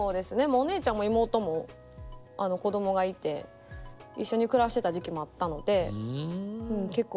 お姉ちゃんも妹も子供がいて一緒に暮らしてた時期もあったので結構にぎやかに。